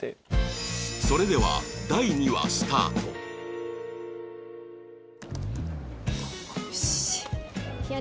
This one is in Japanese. それでは第２話スタートよし。